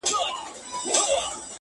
له دېوالونو یې رڼا پر ټوله ښار خپره ده,